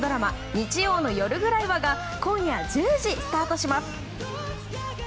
「日曜の夜ぐらいは」が今夜１０時からスタートします。